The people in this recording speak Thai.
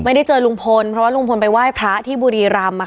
ไม่ได้เจอลุงพลเพราะว่าลุงพลไปไหว้พระที่บุรีรำอ่ะค่ะ